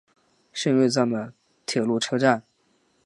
胜瑞站的铁路车站。